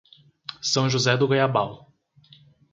São José do Goiabal